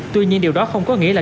tuy nhiên điều đó không có nghĩa là